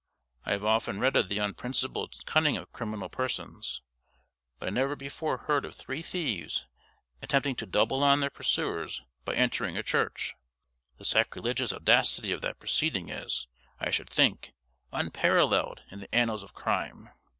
I have often read of the unprincipled cunning of criminal persons, but I never before heard of three thieves attempting to double on their pursuers by entering a church! The sacrilegious audacity of that proceeding is, I should think, unparalleled in the annals of crime.